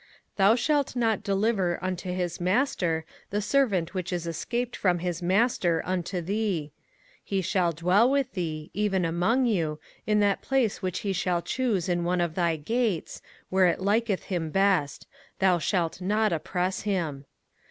05:023:015 Thou shalt not deliver unto his master the servant which is escaped from his master unto thee: 05:023:016 He shall dwell with thee, even among you, in that place which he shall choose in one of thy gates, where it liketh him best: thou shalt not oppress him.